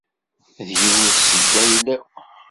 D yiwet seg ayla-w.